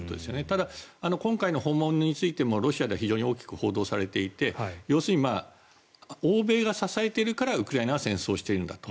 ただ、今回の訪問についてもロシアでは非常に大きく報道されていて欧米が支えているからウクライナは戦争しているんだと。